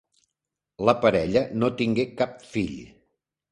La parella no tingué cap fill.